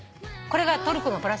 これがトルコのバラ水。